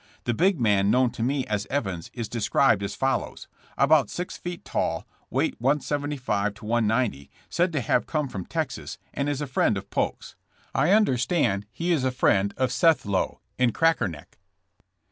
The big man known to me as Evans is described as follows: About six feet tall, weight 175 to 190 pounds, said to have come from Texas, and is a friend of Polk's. I un 130 JESSE JAMES. I derstand he is a friend of Seth Lowe, in Cracker neck.